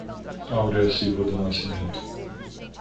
Aurea Silva do Nascimento